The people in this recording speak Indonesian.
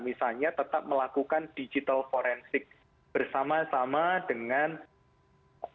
misalnya tetap melakukan digital forensik bersama sama dengan pemerintah